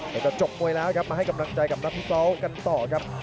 แต่ก็จบมวยแล้วครับมาให้กำลังใจกับนักวิเคราะห์กันต่อครับ